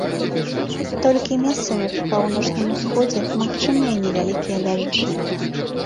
Толькі месцамі па паўночным усходзе магчымыя невялікія дажджы.